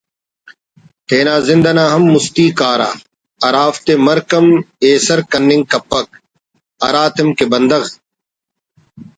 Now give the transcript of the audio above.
تینا زند آن ہم مستی کارہ ہرافتے مرک ہم ایسر کننگ کپک: ہراتم کہ بندغ